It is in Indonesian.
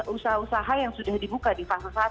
usaha usaha yang sudah dibuka di fase satu